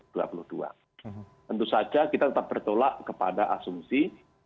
tentu saja kita tetap bertolak kepada asumsi